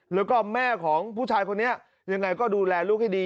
แล้วก็แม่ของผู้ชายคนนี้ยังไงก็ดูแลลูกให้ดี